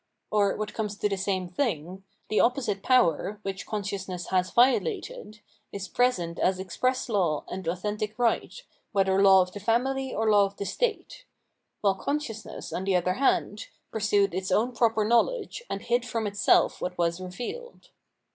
Or, what comes to the same thing, the opposite power, which consciousness has violated, is present as express law and authentic right, whether law of the family or law of the state ; while consciousness, on the other hand, pursued its own proper knowledge, and hid from itself what was revealed.